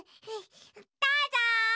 どうぞ！